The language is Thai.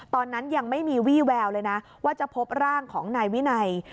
ตอนนั้นยังไม่มีวี่แววเลยนะว่าจะพบร่างของนายวินัย